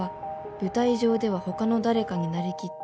「舞台上では他の誰かになりきって」